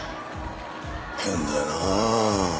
変だよなあ。